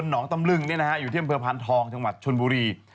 เนี้ยน่ะอยู่ที่เผลอพลันทองจังหวัดชลบุรี